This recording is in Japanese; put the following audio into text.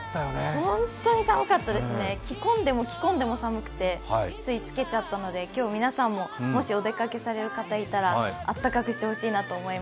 本当に寒かったですね、着込んでも着込んでも寒くてついつけちゃったので今日皆さんも今日、お出かけされる方がいらしたらあったかくしてお出かけください。